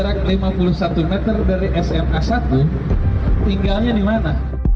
jadi kalau radius jarak lima puluh satu meter dari sma satu tinggalnya di mana